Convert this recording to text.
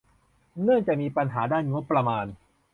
เนื่องจากมีปัญหาด้านงบประมาณ